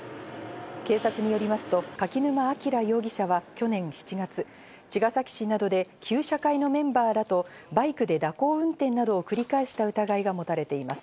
警察によりますと、柿沼明容疑者は去年７月、茅ヶ崎市などで旧車会のメンバーらとバイクで蛇行運転などを繰り返した疑いが持たれています。